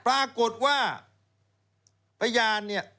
ปรากฏว่าพยาน